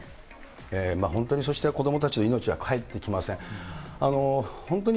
本当に、そして子どもたちの命は帰ってきません。